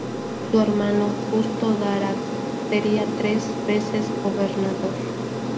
Su hermano, Justo Daract, sería tres veces gobernador.